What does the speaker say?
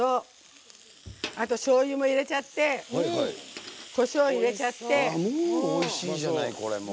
あと、しょうゆも入れちゃってこしょうを入れちゃって。